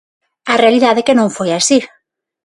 A realidade é que non foi así.